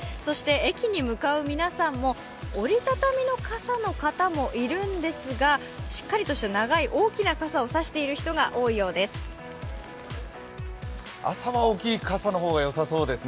駅に向かう皆さんも、折り畳みの傘の方もいるんですがしっかりとした長い大きな傘を差している人が多いようです。